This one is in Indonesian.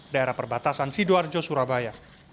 daerah perbatasan sidoarjo surabaya